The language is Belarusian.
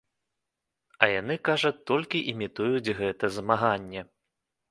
А яны, кажа, толькі імітуюць гэта змаганне.